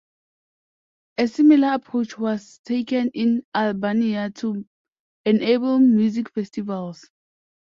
A similar approach was taken in Albania to enable music festivals.